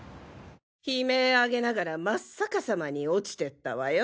悲鳴あげながら真っ逆さまに落ちてったわよ